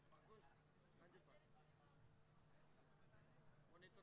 perjuangkan diri dalam kehidupan